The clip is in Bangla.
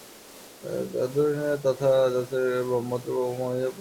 অথর্বসংহিতায় তদ্বৎ যজ্ঞোচ্ছিষ্টেরও ব্রহ্মত্ব-মহিমা প্রতিপাদিত হইয়াছে।